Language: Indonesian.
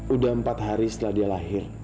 udah empat hari setelah dia lahir